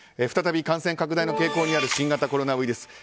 再び感染拡大の傾向にある新型コロナウイルス。